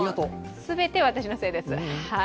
すべて私のせいです。